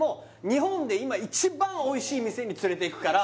「日本で今一番おいしい店に連れていくから」